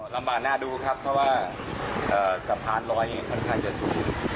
ลำบ่าหน้าดูครับเพราะว่าเอ่อสะพานลอยเองค่อนข้างจะสูง